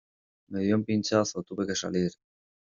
me dio un pinchazo, tuve que salir...